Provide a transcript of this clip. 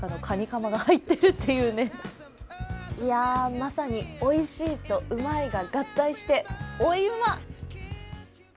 まさにおいしいとうまいが合体してオイウマ。